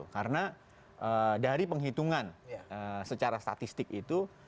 karena dari penghitungan secara statistik itu